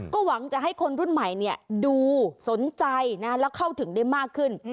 ก็หวังจะให้คนรุ่นใหม่ดูสนใจแล้วเข้าถึงได้มากขึ้น